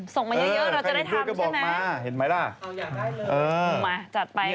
ส่งมาเยอะเราจะได้ทำใช่ไหม